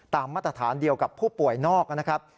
มาตรฐานเดียวกับผู้ป่วยนอกนะครับ